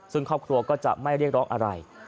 ซึ่งครอบครัวก็จะไม่เรียกร้องอะไร